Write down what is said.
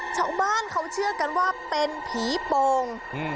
ชาวบ้านเขาเชื่อกันว่าเป็นผีโป่ง